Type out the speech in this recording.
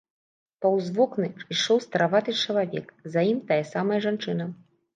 Паўз вокны ішоў стараваты чалавек, за ім тая самая жанчына.